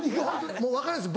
もう分からないです